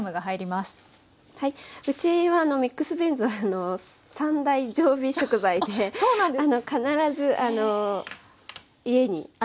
うちはミックスビーンズは三大常備食材で必ず家にある食材なんですけど。